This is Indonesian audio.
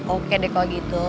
oke deh kalau gitu